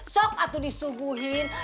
sok atuh disuguhin